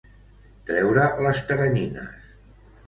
Treure les teranyines.